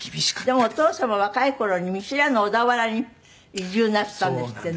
でもお父様若い頃に見知らぬ小田原に移住なすったんですってね。